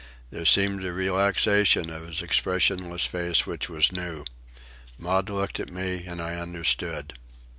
There seemed a relaxation of his expressionless face which was new. Maud looked at me and I understood.